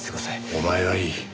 お前はいい。